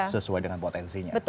sesuai dengan potensinya